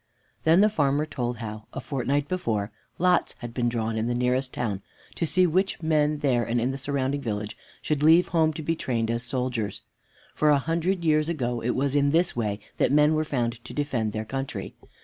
Then the farmer told how, a fortnight before, lots had been drawn in the nearest town, to see which men there and in the surrounding villages should leave home to be trained as soldiers. For a hundred years ago it was in this way that men were found to defend their country.